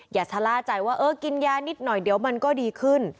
อย่าชะล่าใจว่าเออกินยานิดหน่อยเดี๋ยวมันก็ดีขึ้น